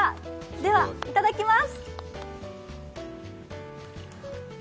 では、いただきます！